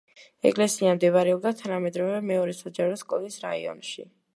ეკლესია მდებარეობდა თანამედროვე მეორე საჯარო სკოლის რაიონში.